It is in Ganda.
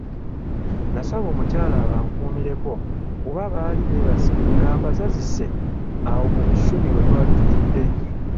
Nasaba omukyala abankuumireko kuba baali beebase nga mbazazise awo mu busubi we twali tutudde.